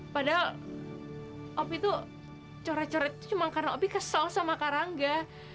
padahal opi itu coret coret cuma karena api kesel sama karangga